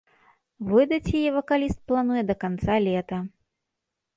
Выдаць яе вакаліст плануе да канца лета.